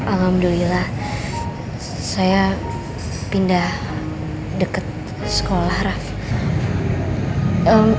alhamdulillah saya pindah deket sekolah rafa